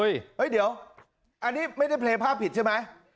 ยไหล่เดี๋ยวอันดีไม่ได้มาพิสิบไหม